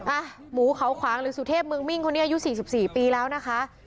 อ่ะหมูเขาขวางหรือสุเทพเมืองมิ่งคนนี้อายุ๔๔ปีแล้วนะคะ